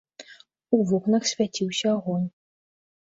У вокнах свяціўся агонь.